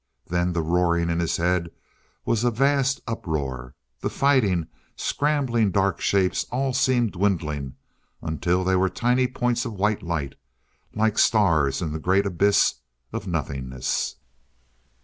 Then the roaring in his head was a vast uproar. The fighting, scrambling dark shapes all seemed dwindling until they were tiny points of white light like stars in the great abyss of nothingness....